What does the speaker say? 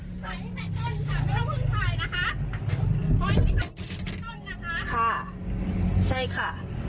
ค่ะใช่ค่ะ